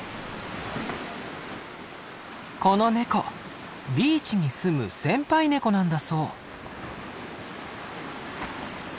このネコビーチに住む先輩ネコなんだそう。